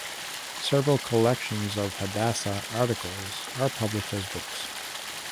Several collections of "Hadassah" articles were published as books.